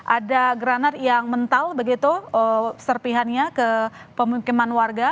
ada granat yang mental begitu serpihannya ke pemukiman warga